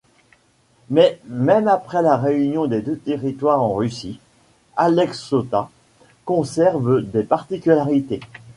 Mais même après la réunion des deux territoires en Russie, Aleksotas conserve des particularités.